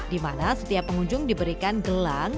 dimana setiap pengunjung diberikan gelang